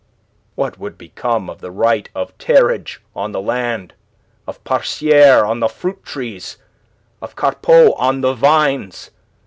"What would become of the right of terrage on the land, of parciere on the fruit trees, of carpot on the vines?